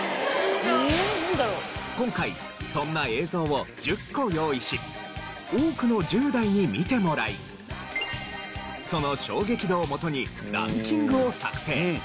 今回そんな映像を１０個用意し多くの１０代に見てもらいその衝撃度をもとにランキングを作成。